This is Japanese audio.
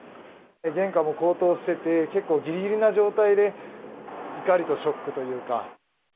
原価も高騰してて、結構ぎりぎりな状態で、怒りとショックというか。